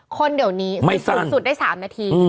คนเดี๋ยวนี้สูงสุดได้๓นาที